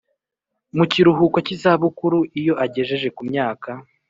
mu kiruhuko cy izabukuru iyo agejeje ku myaka